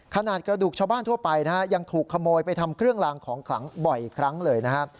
ขนาดกระดูกชาวบ้านทั่วไปนะฮะยังถูกขโมยไปทำเครื่องลางของขลังบ่อยครั้งเลยนะครับ